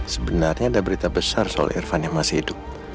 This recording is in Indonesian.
sebenarnya ada berita besar soal irfan yang masih hidup